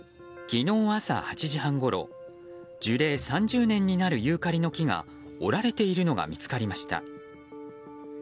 昨日朝８時半ごろ樹齢３０年になるユーカリの木が折られているのが見つかりました。